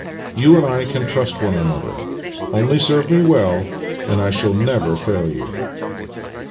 You and I can trust one another. Only serve me well, and I shall never fail you."